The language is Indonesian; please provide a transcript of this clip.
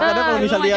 karena kalau misalnya